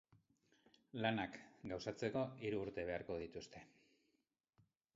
Lanak gauzatzeko hiru urte beharko dituzte.